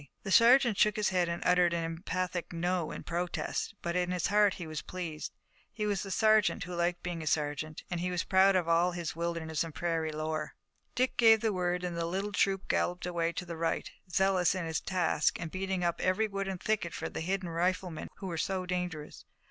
The sergeant shook his head and uttered an emphatic no in protest, but in his heart he was pleased. He was a sergeant who liked being a sergeant, and he was proud of all his wilderness and prairie lore. Dick gave the word and the little troop galloped away to the right, zealous in its task and beating up every wood and thicket for the hidden riflemen who were so dangerous.